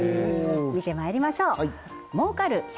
見てまいりましょう儲かる！